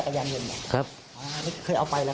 เขาจะมาทัดมาทัดไม่ติดออกอีก